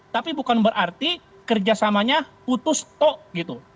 tapi bukan berarti kerjasamanya putus tok gitu